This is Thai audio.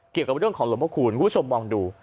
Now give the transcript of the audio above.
เกี่ยวกับเรื่องของหลวงพระคูณคุณผู้ชมมองดู